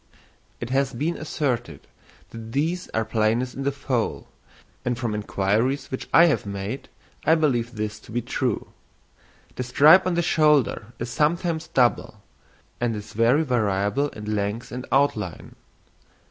It has been asserted that these are plainest in the foal, and from inquiries which I have made, I believe this to be true. The stripe on the shoulder is sometimes double, and is very variable in length and outline.